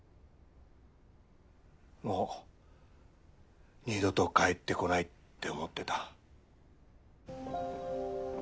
もう二度と帰ってこないって思ってた。